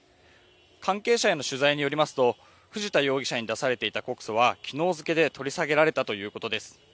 関係者への取材によりますと、藤田容疑者に出されていた告訴は昨日付けで取り下げられたということです。